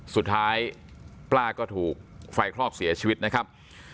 สุดท้ายป้าก็ถูกไฟคลอกเสียชีวิตนะครับ